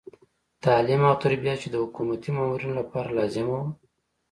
تعلیم او تربیه چې د حکومتي مامورینو لپاره لازمه وه.